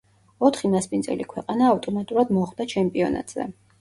ოთხი მასპინძელი ქვეყანა ავტომატურად მოხვდა ჩემპიონატზე.